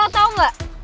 lo tau gak